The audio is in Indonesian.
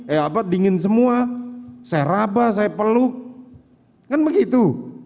eh apa dingin semua saya raba saya peluk kan begitu